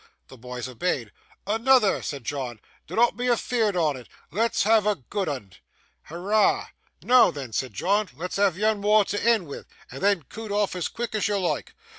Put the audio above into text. The boys obeyed. 'Anoother!' said John. 'Dinnot be afeared on it. Let's have a good 'un!' 'Hurrah!' 'Noo then,' said John, 'let's have yan more to end wi', and then coot off as quick as you loike.